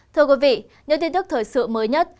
thưa quý vị những tin tức thời sự mới nhất